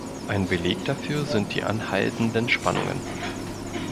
Ein Beleg dafür sind die anhaltenden Spannungen.